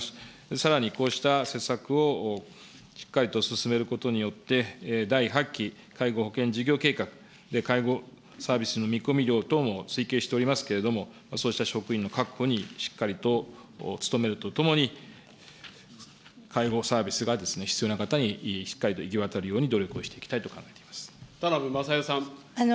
さらに、こうした施策をしっかりと進めることによって、第８期介護保険事業計画、介護サービスの見込み量等も推計しておりますけれども、そうした職員の確保にしっかりと努めるとともに、介護サービスが必要な方にしっかりと行き渡るように努力をしてい田名部匡代さん。